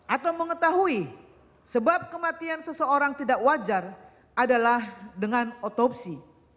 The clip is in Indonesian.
atau mengetahui sebab kematian seseorang tidak wajar adalah dengan otopsi